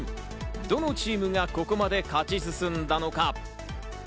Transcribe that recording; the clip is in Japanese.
どのチームがここまで勝ち進んだのか？